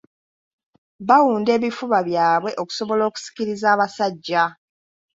Bawunda ebifuba byabwe okusobola okusikiriza abasajja.